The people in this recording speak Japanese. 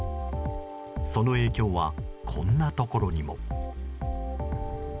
その影響は、こんなところにも。